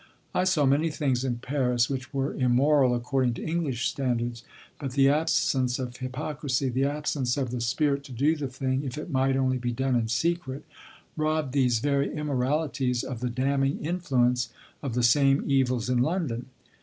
I saw many things in Paris which were immoral according to English standards, but the absence of hypocrisy, the absence of the spirit to do the thing if it might only be done in secret, robbed these very immoralities of the damning influence of the same evils in London.